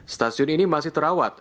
stasiun ini masih terawat